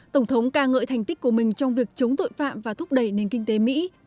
tổng thống ca ngợi thành tích của mình trong việc chống tội phạm và thúc đẩy nền kinh tế mỹ